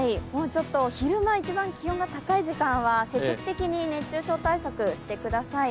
昼間、一番気温が高い時間は積極的に熱中症対策をしてください。